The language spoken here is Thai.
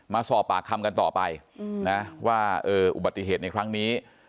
มาสอบปากคำกันต่อไปนะว่าอุบัติเหตุในครั้งนี้